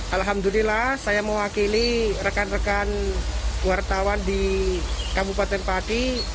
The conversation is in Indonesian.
alhamdulillah saya mewakili rekan rekan wartawan di kabupaten pati